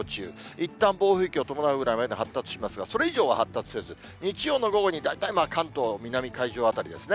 いったん暴風域を伴うぐらいまで発達しますが、それ以上は発達せず、日曜の午後には大体関東南海上辺りですね。